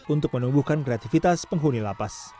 untuk menumbuhkan kreativitas penghuni lapas